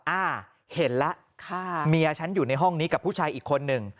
อ่าเห็นแล้วเมียฉันอยู่ในห้องนี้กับผู้ชายอีกคนหนึ่ง